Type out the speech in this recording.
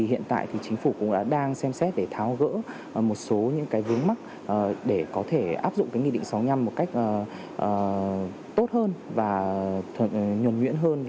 hiện tại chính phủ cũng đang xem xét để tháo gỡ một số những vướng mắt để có thể áp dụng nghị định sáu mươi năm một cách tốt hơn và nhuẩn nhuyễn hơn